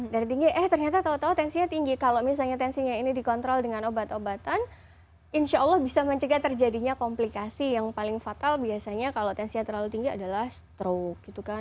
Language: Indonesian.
darah tinggi eh ternyata tau tau tensinya tinggi kalau misalnya tensinya ini dikontrol dengan obat obatan insya allah bisa mencegah terjadinya komplikasi yang paling fatal biasanya kalau tensinya terlalu tinggi adalah stroke gitu kan